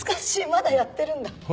まだやってるんだ。